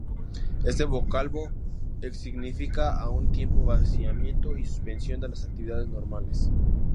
Este vocablo significa a un tiempo vaciamiento y suspensión de las actividades normales.